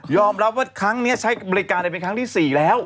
ยอมรับวินบันได้ใช้ครั้งนี้เป็นครั้งที่๔แล้ว